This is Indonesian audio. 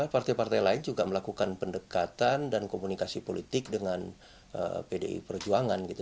partai partai lain juga melakukan pendekatan dan komunikasi politik dengan pdi perjuangan gitu